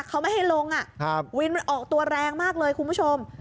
เขาไม่ให้ลงวินมันออกตัวแรงมากเลยคุณผู้ชม